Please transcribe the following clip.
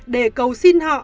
để cầu xin họ